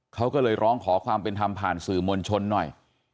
เขาก็เลยร้องขอความเป็นธรรมผ่านสื่อมวลชนหน่อย